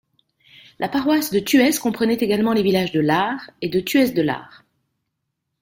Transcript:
La paroisse de Thuès comprenait également les villages de Llar et de Thuès-de-Llar.